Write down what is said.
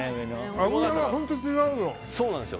脂が本当に違うよ。